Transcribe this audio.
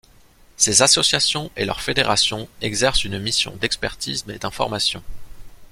Ces associations et leur Fédération exercent une mission d’expertise et d’information.